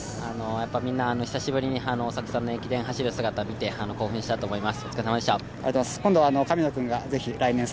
みんな久しぶりに大迫さんの駅伝走る姿見て興奮したと思います。